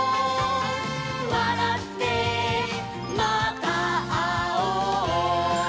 「わらってまたあおう」